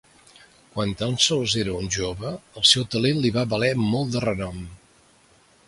Quan tan sols era un jove, el seu talent li va valer molt de renom.